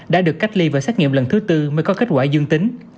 đã được cách ly và xét nghiệm lần thứ tư mới có kết quả dương tính